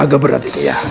agak berat itu ya